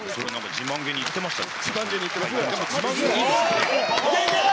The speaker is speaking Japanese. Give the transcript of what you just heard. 自慢げに言ってましたか？